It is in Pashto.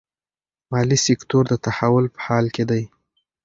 مالي سکتور د تحول په حال کې دی.